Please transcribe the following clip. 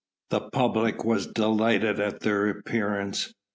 The public was delighted at their appearance.